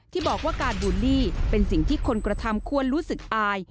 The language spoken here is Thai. ที่บอกว่าการบูลลี่เป็นสิ่งที่คนกระทำควรรู้สึกอาย